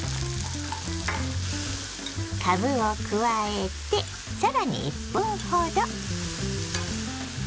かぶを加えて更に１分ほど。